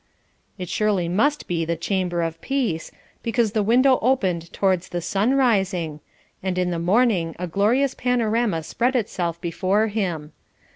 It surely must be the "chamber of peace," because "the window opened towards the sunrising," and in the morning a glorious panorama spread itself before him.